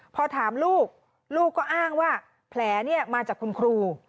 พอถามลูกลูกก็อ้างว่าแผลมาจากคุณครู